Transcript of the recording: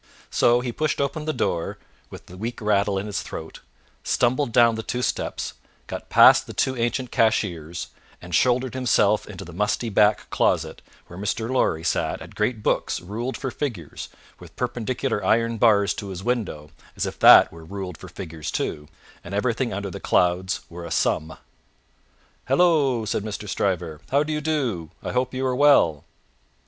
So, he pushed open the door with the weak rattle in its throat, stumbled down the two steps, got past the two ancient cashiers, and shouldered himself into the musty back closet where Mr. Lorry sat at great books ruled for figures, with perpendicular iron bars to his window as if that were ruled for figures too, and everything under the clouds were a sum. "Halloa!" said Mr. Stryver. "How do you do? I hope you are well!"